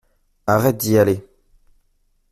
Arrête d’y aller.